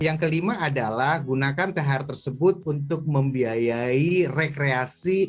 yang kelima adalah gunakan thr tersebut untuk membiayai rekreasi